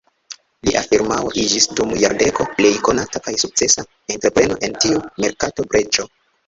Lia firmao iĝis dum jardeko plej konata kaj sukcesa entrepreno en tiu merkata breĉo.